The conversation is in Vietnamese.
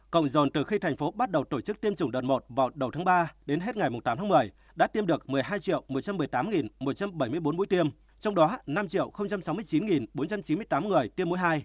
cộng dồn từ khi thành phố bắt đầu tổ chức tiêm chủng đợt một vào đầu tháng ba đến hết ngày tám tháng một mươi đã tiêm được một mươi hai một trăm một mươi tám một trăm bảy mươi bốn mũi tiêm trong đó năm sáu mươi chín bốn trăm chín mươi tám người tiêm mũi hai